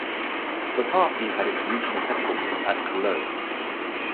The party had its regional headquarters at Cologne.